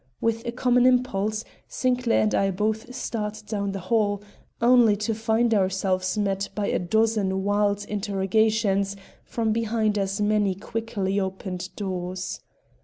With a common impulse, Sinclair and I both started down the hall, only to find ourselves met by a dozen wild interrogations from behind as many quickly opened doors.